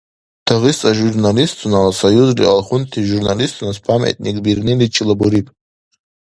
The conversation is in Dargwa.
Дагъиста журналистунала Союзли алхунти журналистунас памятник бирниличилара буриб.